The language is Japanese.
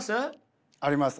あります。